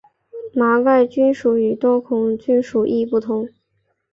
麻盖菌属与多孔菌属亦不同。